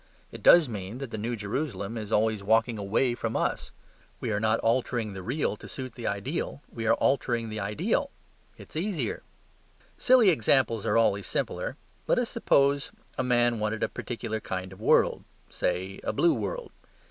It does mean that the New Jerusalem is always walking away from us. We are not altering the real to suit the ideal. We are altering the ideal: it is easier. Silly examples are always simpler; let us suppose a man wanted a particular kind of world; say, a blue world.